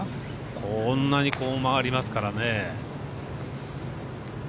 こんなにこう曲がりますからね。